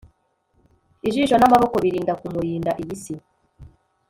ijisho n'amaboko birinda kumurinda iyi si